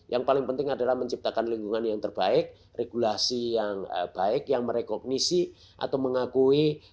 yang paling penting adalah menciptakan lingkungan yang terbaik regulasi yang baik yang merekognisi atau mengakui